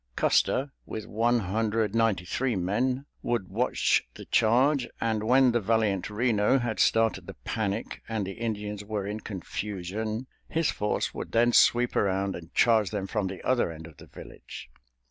Custer with one hundred ninety three men would watch the charge, and when the valiant Reno had started the panic and the Indians were in confusion, his force would then sweep around and charge them from the other end of the village.